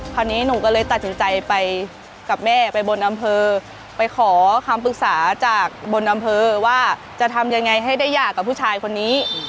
คราวนี้หนูก็เลยตัดสินใจไปกับแม่ไปบนอำเภอไปขอคำปรึกษาจากบนอำเภอว่าจะทำยังไงให้ได้หย่ากับผู้ชายคนนี้